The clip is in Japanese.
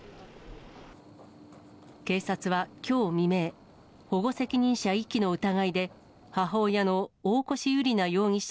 警察はきょう未明、保護責任者遺棄の疑いで、母親の大越悠莉奈容疑者